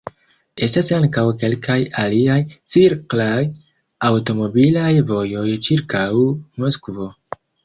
Estas ankaŭ kelkaj aliaj cirklaj aŭtomobilaj vojoj ĉirkaŭ Moskvo.